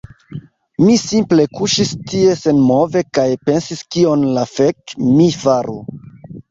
Mi simple kuŝis tie senmove kaj pensis kion la fek' mi faru